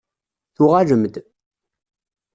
Tuɣalem-d.